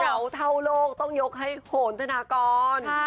เท่าโลกต้องยกให้โหนธนากร